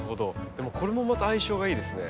でもこれもまた相性がいいですね。